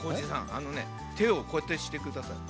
あのねてをこうやってしてください。